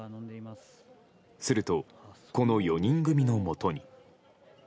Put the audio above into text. すると、この４人組のもとに。